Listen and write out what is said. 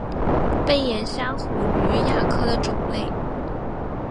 背眼虾虎鱼亚科的种类。